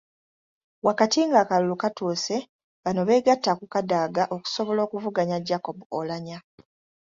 Wakati ng’akalulu katuuse, bano beegatta ku Kadaga okusobola okuvuganya Jacob Oulanyah.